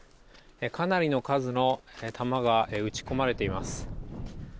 かなりの数の弾が撃ち込まれています。